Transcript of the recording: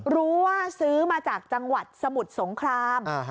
รู้ว่าซื้อมาจากจังหวัดสมุทรสงคราม